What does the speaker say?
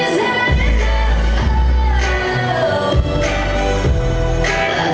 สวัสดีครับ